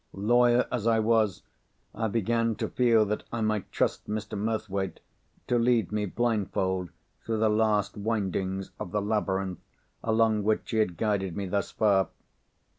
Lawyer as I was, I began to feel that I might trust Mr. Murthwaite to lead me blindfold through the last windings of the labyrinth, along which he had guided me thus far.